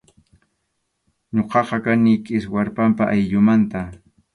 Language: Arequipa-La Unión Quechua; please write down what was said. Ñuqaqa kani Kiswarpampa ayllumanta.